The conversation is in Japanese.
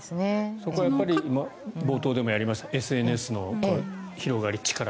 そこは冒頭でもやりましたＳＮＳの広がり